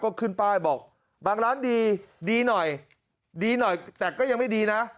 ก็ขึ้นป้ายบอกบางร้านดีดีหน่อยดีหน่อยแต่ก็ยังไม่ดีนะ